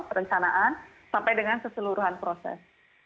perencanaan sampai dengan keseluruhan proses